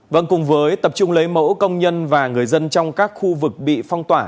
vâng cùng với tập trung lấy mẫu công nhân và người dân trong các khu vực bị phong tỏa